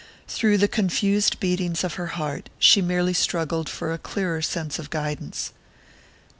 Through the confused beatings of her heart she merely struggled for a clearer sense of guidance.